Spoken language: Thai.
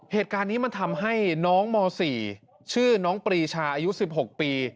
เหตุการณ์นี้มันทำให้น้องม๔ชื่อน้องปรีชาอายุ๑๖ปี